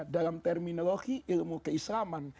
dalam terminologi ilmu keislaman